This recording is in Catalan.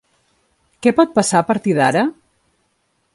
Què pot passar a partir d’ara?